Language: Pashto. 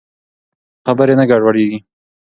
که اورېدل وي نو خبرې نه ګډوډیږي.